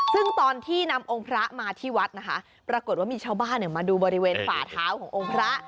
ซึ่งตอนที่นำองค์พระมาที่วัดนะคะปรากฏว่ามีชาวบ้านมาดูบริเวณฝ่าเท้าขององค์พระ